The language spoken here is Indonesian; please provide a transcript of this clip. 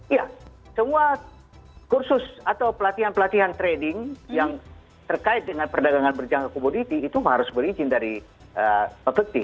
iya semua kursus atau pelatihan pelatihan trading yang terkait dengan perdagangan berjangka komoditi itu harus berizin dari opecti